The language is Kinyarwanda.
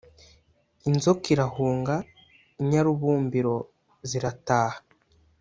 inzoka irahunga, inyarubumbiro zirataha